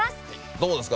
どうですか？